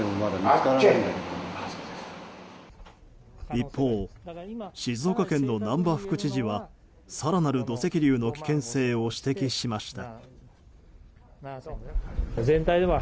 一方、静岡県の難波副知事は更なる土石流の危険性を指摘しました。